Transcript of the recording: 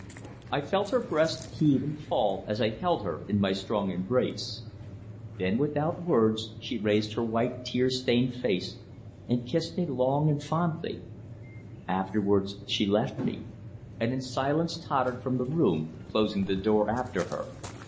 I felt her breast heave and fall as I held her in my strong embrace. Then without words she raised her white, tear stained face and kissed me long and fondly; afterwards she left me, and in silence tottered from the room, closing the door after her.